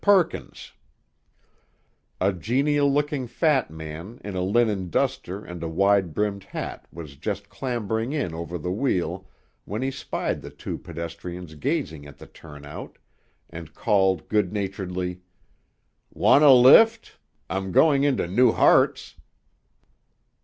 PERKINS A genial looking fat man in a linen duster and a wide brimmed hat was just clambering in over the wheel when he spied the two pedestrians gazing at the turnout, and called good naturedly: "Want a lift? I'm goin' inter New Hartz."